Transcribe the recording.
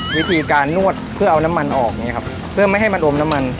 วิธีการนวดเพื่อเอาน้ำมันออกอย่างนี้ครับเพื่อไม่ให้มันอมน้ำมัน